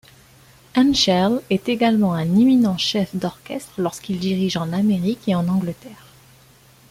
Henschel est également un éminent chef d'orchestre lorsqu'il dirige en Amérique et en Angleterre.